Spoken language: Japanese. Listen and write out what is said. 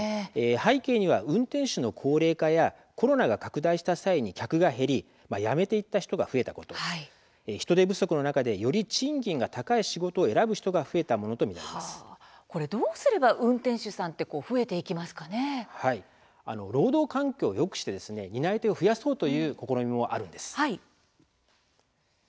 背景には運転手の高齢化やコロナが拡大した際に客が減り辞めていった人が増えたこと人手不足の中でより賃金が高い仕事を選ぶ人が増えたものとどうすれば運転手さんが労働環境をよくして担い手を増やそうという試みもあるんです。